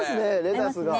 レタスが。